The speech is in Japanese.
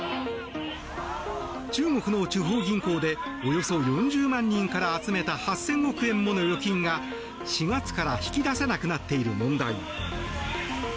中国の地方銀行でおよそ４０万人から集めた８０００億円もの預金が４月から引き出せなくなっている問題。